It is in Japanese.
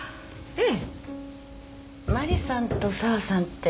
ええ。